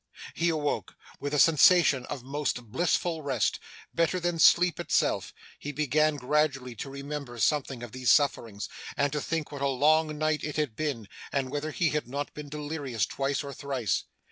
He awoke. With a sensation of most blissful rest, better than sleep itself, he began gradually to remember something of these sufferings, and to think what a long night it had been, and whether he had not been delirious twice or thrice.